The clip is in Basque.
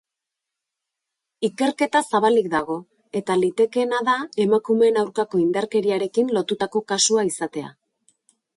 Ikerketa zabalik dago, eta litekeena da emakumeen aurkako indarkeriarekin lotutako kasua izatea.